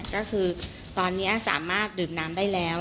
ก็คือตอนนี้สามารถดื่มน้ำได้แล้ว